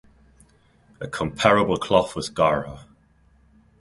A comparable cloth was garha.